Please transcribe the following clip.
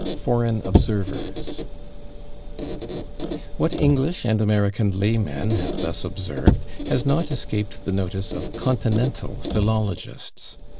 § 4 /Foreign Observers/ What English and American laymen have thus observed has not escaped the notice of continental philologists.